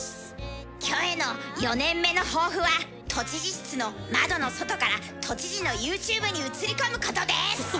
キョエの４年目の抱負は都知事室の窓の外から都知事のＹｏｕＴｕｂｅに映り込むことです！